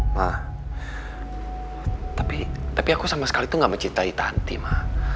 ma tapi aku sama sekali tuh gak mencintai tanti ma